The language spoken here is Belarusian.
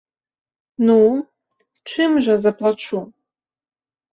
Ну, чым жа заплачу?